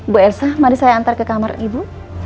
bu elsa mari saya antar ke kamar ibu